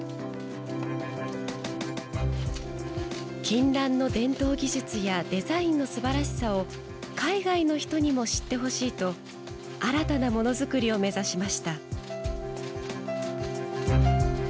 金襴の伝統技術やデザインのすばらしさを海外の人にも知ってほしいと新たなものづくりを目指しました。